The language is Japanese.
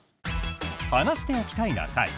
「話しておきたいな会」。